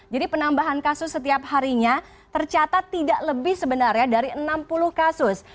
jadi penambahan kasus setiap harinya tercatat tidak lebih sebenarnya dari enam puluh kasus